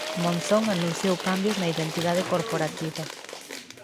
Monzón anunciou cambios na identidade corporativa